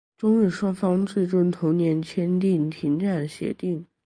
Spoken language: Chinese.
中日双方最终于同年签订停战协定。